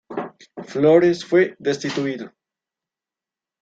Flores fue destituido.